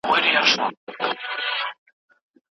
تللی دي له شپو یم افسانې را پسي مه ګوره